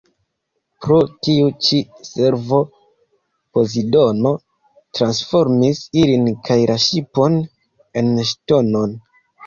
Pro tiu ĉi servo Pozidono transformis ilin kaj la ŝipon en ŝtonon.